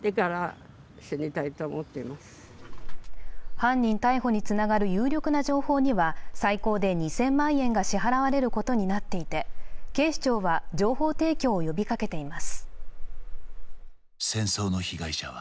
犯人逮捕につながる有力な情報には最高で２０００万円が支払われることになっていて警視庁は情報提供を呼びかけています。